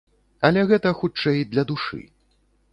Але гэта, хутчэй, для душы.